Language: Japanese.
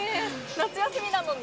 夏休みなのに。